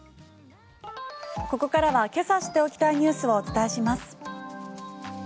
ここからは今朝知っておきたいニュースをお伝えします。